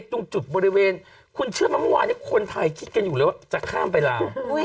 ตรงจุดบริเวณคุณเชื่อไหมเมื่อวานนี้คนไทยคิดกันอยู่เลยว่าจะข้ามไปลา